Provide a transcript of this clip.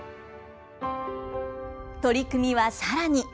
取り組みはさらに。